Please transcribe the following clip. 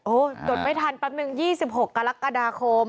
โอ้จนไม่ทันปั๊บหนึ่ง๒๖กรกฎาคม